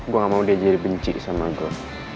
gue gak mau dia jadi benci sama gue